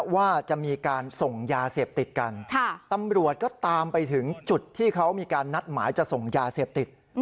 ว่าจะมีการส่งยาเสพติดกันตำรวจก็ตามไปถึงจุดที่เขามีการนัดหมายจะส่งยาเสพติด